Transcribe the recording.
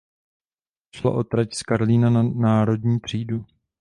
Šlo o trať z Karlína na Národní třídu.